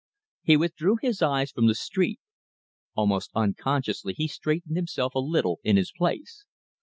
He withdrew his eyes from the street. Almost unconsciously he straightened himself a little in his place.